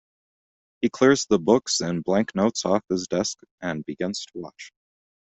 He clears the books and blank notes off his desk and begins to watch.